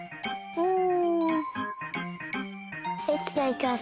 うん。